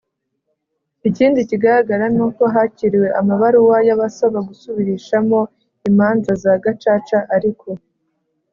Ikindi kigaragara n uko hakiriwe amabaruwa y abasaba gusubirishamo imanza za Gacaca ariko